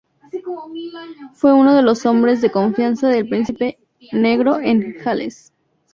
Fue uno de los hombres de confianza del Príncipe Negro en Gales.